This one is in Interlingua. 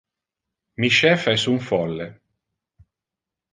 Mi chef es un folle.